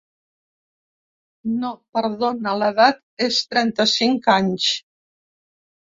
No, perdona, l'edat és trenta-cinc anys.